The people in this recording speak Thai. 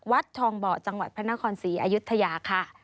วัดทองเบาะจังหวัดพระนครศรีอายุทยาค่ะ